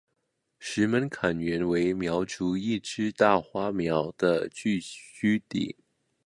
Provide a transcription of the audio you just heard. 石门坎原为苗族一支大花苗的聚居地。